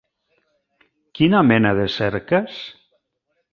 Quina mena de cerques?